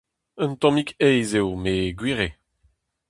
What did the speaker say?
Un tammig aes eo met gwir eo.